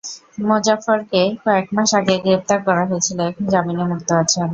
মোজাফফরকে কয়েক মাস আগে গ্রেপ্তার করা হয়েছিল, এখন জামিনে মুক্ত আছেন।